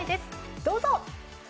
どうぞ。